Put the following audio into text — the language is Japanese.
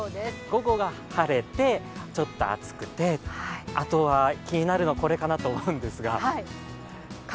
午後が晴れて、ちょっと暑くて、あとは気になるのはこれかなと思うんですが、蚊。